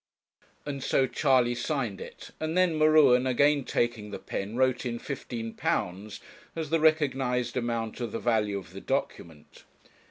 And so Charley signed it, and then M'Ruen, again taking the pen, wrote in 'fifteen pounds' as the recognized amount of the value of the document.